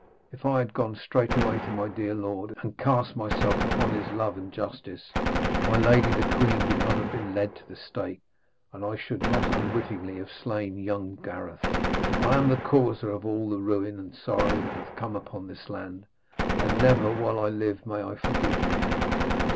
If I had gone straightway to my dear lord, and cast myself upon his love and justice, my lady the queen would not have been led to the stake, and I should not unwittingly have slain young Gareth. I am the causer of all the ruin and the sorrow that hath come upon this land, and never while I live may I forgive me.'